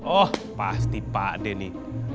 oh pasti pak deh nih